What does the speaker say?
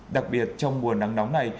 đặc biệt trong mùa nắng nóng này